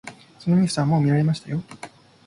そのニュースはもう見ましたよ。